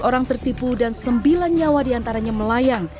empat orang tertipu dan sembilan nyawa diantaranya melayang